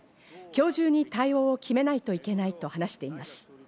今日中に対応を決めないといけないと話しています。